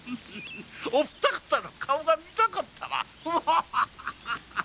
お二方の顔が見たかったな。